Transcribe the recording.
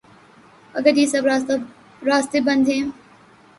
اگریہ سب راستے بند ہیں۔